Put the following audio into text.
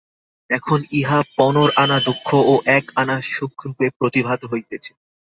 এখন ইহা পনর আনা দুঃখ ও এক আনা সুখরূপে প্রতিভাত হইতেছে।